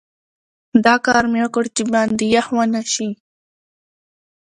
دا کار مې وکړ چې باندې یخ ونه شي.